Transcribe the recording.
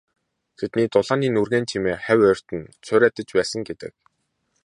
Тэдний тулааны нүргээн чимээ хавь ойрд нь цуурайтаж байсан гэдэг.